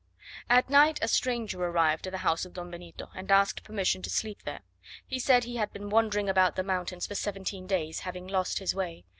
At night, a stranger arrived at the house of Don Benito, and asked permission to sleep there. He said he had been wandering about the mountains for seventeen days, having lost his way.